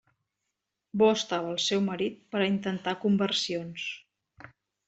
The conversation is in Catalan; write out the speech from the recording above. Bo estava el seu marit per a intentar conversions!